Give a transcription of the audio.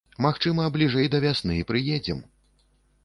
Магчыма, бліжэй да вясны прыедзем.